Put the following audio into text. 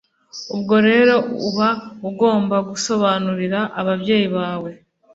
ubwo rero uba ugomba gusobanurira ababyeyi bawe